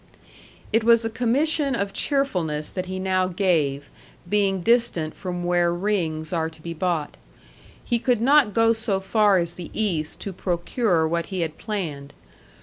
It was a commission of cheerfulness that he now gave, being distant from where rings are to be bought. He could not go so far as the East to procure what he had planned.